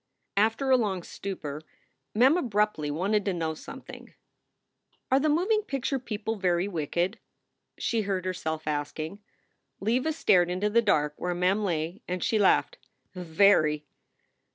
After a long stupor, Mem abruptly wanted to know some thing. "Are the moving picture people very wicked?" she heard herself asking. Leva stared into the dark where Mem lay, and she laughed : "Very."